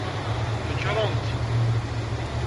Nekrent.